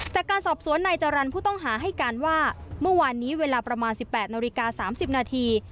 จากการสอบสวนนายจรรย์ผู้ต้องหาให้การว่าเมื่อวานนี้เวลาประมาณ๑๘นาฬิกา๓๐นาที